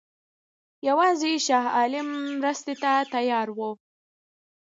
یوازې شاه عالم مرستې ته تیار وو.